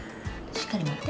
しっかり持って。